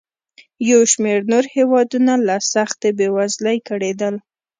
یو شمېر نور هېوادونه له سختې بېوزلۍ کړېدل.